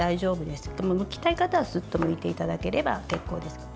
でも、むきたい方は、すっとむいていただければ結構です。